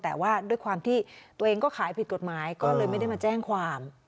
ตัวเองก็ขายผิดกฎหมายก็เลยไม่ได้มาแจ้งความ